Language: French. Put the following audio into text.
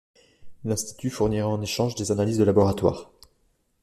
L'Institut fournirait en échange des analyses de laboratoire.